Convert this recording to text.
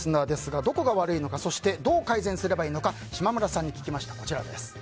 どこが悪いのかどう改善すればいいのか島村さんに聞きました。